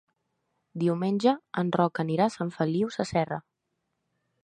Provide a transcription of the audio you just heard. Diumenge en Roc anirà a Sant Feliu Sasserra.